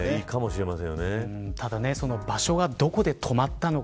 ただ場所が、どこで止まったのか。